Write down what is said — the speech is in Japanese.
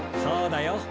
そうだよ。